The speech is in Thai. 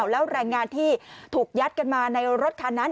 แล้วแรงงานที่ถูกยัดกันมาในรถคันนั้น